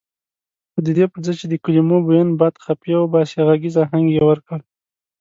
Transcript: خو ددې پرځای چې د کلمو بوین باد خفیه وباسي غږیز اهنګ یې ورکړ.